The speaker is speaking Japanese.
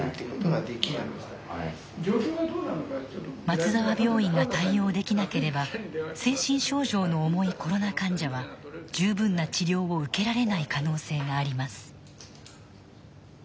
松沢病院が対応できなければ精神症状の重いコロナ患者は十分な治療を受けられない可能性があります。